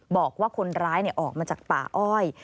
บอกว่าคนร้ายออกมาจากป่าอ้อย